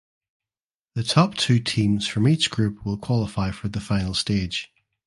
The top two teams from each group will qualify for the final stage.